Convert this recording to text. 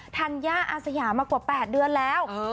ธัญญาอาสยามากว่า๘เดือนแล้ว